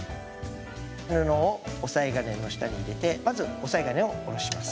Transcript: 布を押さえ金の下に入れてまず押さえ金を下ろします。